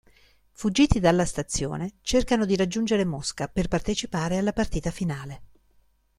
Fuggiti dalla stazione, cercano di raggiungere Mosca per partecipare alla partita finale.